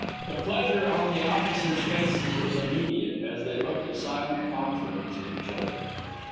The pleasure on the officers' faces was immediate as they looked a silent conference at each other.